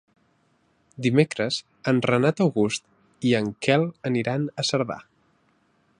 Dimecres en Renat August i en Quel aniran a Cerdà.